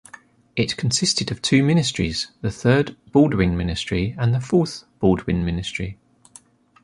It consisted of two ministries: the third Baldwin ministry and the fourth Baldwin ministry.